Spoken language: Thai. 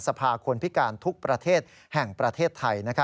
สภาคนพิการทุกประเทศแห่งประเทศไทย